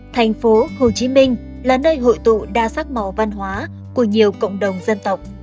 thành phố hồ chí minh là nơi hội tụ đa sắc màu văn hóa của nhiều cộng đồng dân tộc